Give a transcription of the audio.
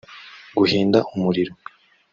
Guhinda umuriro